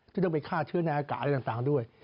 ที่ต้องไปฆ่าเชื้อในอากาศอะไรต่างด้วย